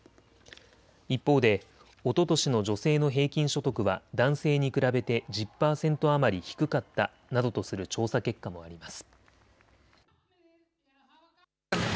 一方でおととしの女性の平均所得は男性に比べて１０％余り低かったなどとする調査結果もあります。